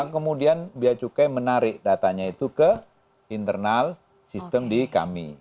kemudian bia cukai menarik datanya itu ke internal sistem di kami